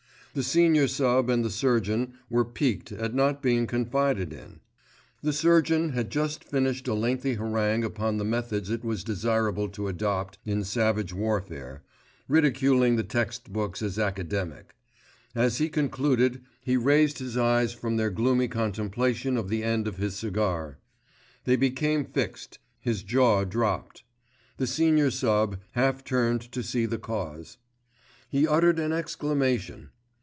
The senior sub. and the surgeon were piqued at not being confided in. The surgeon had just finished a lengthy harangue upon the methods it was desirable to adopt in savage warfare, ridiculing the textbooks as academic. As he concluded he raised his eyes from their gloomy contemplation of the end of his cigar. They became fixed, his jaw dropped. The senior sub. half turned to see the cause. He uttered an exclamation!